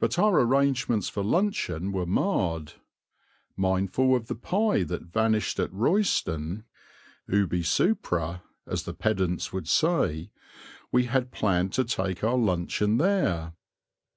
But our arrangements for luncheon were marred. Mindful of the pie that vanished at Royston (ubi supra as the pedants would say), we had planned to take our luncheon there.